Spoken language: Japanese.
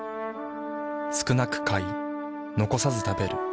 少なく買い残さず食べる。